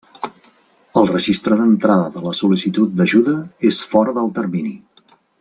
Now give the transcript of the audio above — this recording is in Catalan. El registre d'entrada de la sol·licitud d'ajuda és fora del termini.